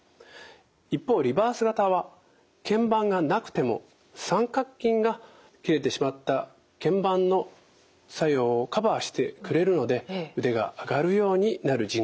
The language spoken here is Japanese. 一方リバース型はけん板がなくても三角筋が切れてしまったけん板の作用をカバーしてくれるので腕が上がるようになる人工関節なんですね。